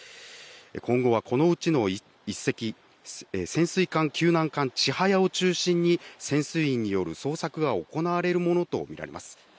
今後はこのうちの１隻、潜水艦救難艦ちはやを中心に潜水員による捜索が行われるものと見られます。